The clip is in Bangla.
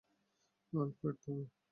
আলফ্রেড, থামো।